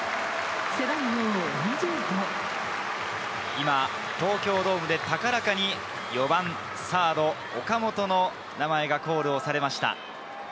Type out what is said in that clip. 今、東京ドームで高らかに「４番サード・岡本」の名前がコールされました。